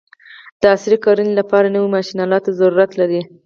د عصري کرانې لپاره نوي ماشین الاتو ته ضرورت لري.